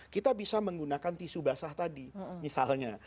kita bisa menggunakan tisu basah tadi misalnya